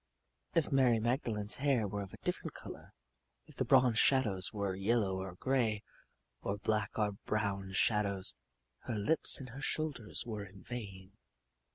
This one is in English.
If Mary Magdalene's hair were of a different color if the bronze shadows were yellow, or gray, or black, or brown shadows her lips and her shoulders were in vain.